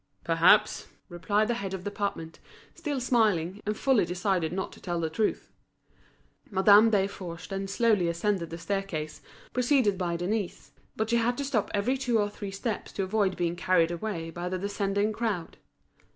"Perhaps," replied the head of department, still smiling, and fully decided not to tell the truth. Madame Desforges then slowly ascended the staircase, preceded by Denise; but she had to stop every two or three steps to avoid being carried away by the descending crowd.